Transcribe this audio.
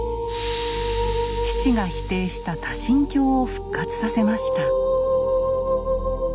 父が否定した「多神教」を復活させました。